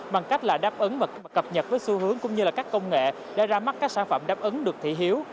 bằng cách là đáp ứng và cập nhật với xu hướng cũng như là các công nghệ đã ra mắt các sản phẩm đáp ứng được thị hiếu